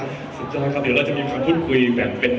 เมื่อเวลาอันดับสุดท้ายมันกลายเป้าหมายเป้าหมาย